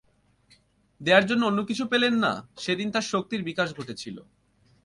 দেয়ার জন্য অন্য কিছু পেলেন না, সেদিন তার শক্তির বিকাশ ঘটেছিল।